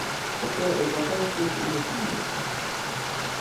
Хаця эпатаж тут не самамэта.